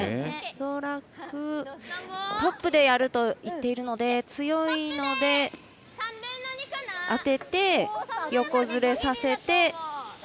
恐らく、トップでやると言っているので強いので当てて横ずれさせて。